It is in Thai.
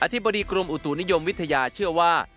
ธิบดีกรมอุตุนิยมวิทยาเชื่อว่า